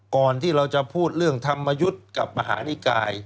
ก่อนที่เราจะพูดเรื่องธรรมยุทธ์กับมหานิกาย